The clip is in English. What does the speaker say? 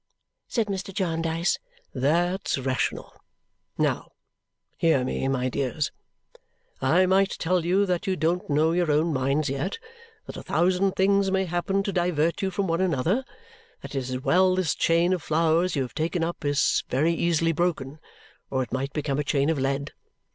said Mr. Jarndyce. "That's rational. Now, hear me, my dears! I might tell you that you don't know your own minds yet, that a thousand things may happen to divert you from one another, that it is well this chain of flowers you have taken up is very easily broken, or it might become a chain of lead.